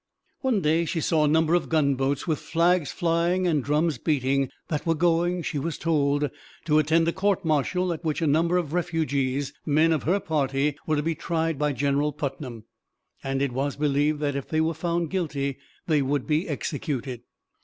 One day she saw a number of gunboats, with flags flying and drums beating, that were going, she was told, to attend a court martial at which a number of refugees, men of her party, were to be tried by General Putnam; and it was believed that if they were found guilty they would be executed.